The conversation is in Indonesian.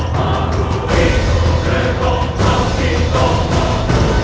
tidak kau tak boleh